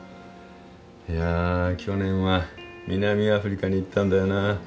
いや去年は南アフリカに行ったんだよな。